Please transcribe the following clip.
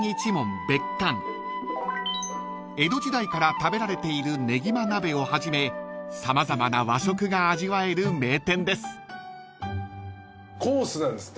［江戸時代から食べられているねぎま鍋をはじめ様々な和食が味わえる名店です］コースなんですって。